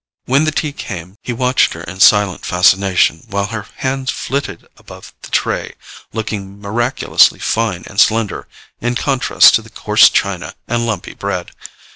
When the tea came he watched her in silent fascination while her hands flitted above the tray, looking miraculously fine and slender in contrast to the coarse china and lumpy bread.